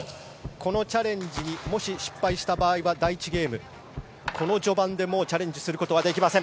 このチャレンジにもし失敗した場合は第１ゲーム序盤でチャレンジすることはできません。